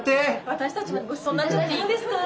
私たちまでごちそうになっちゃっていいんですか？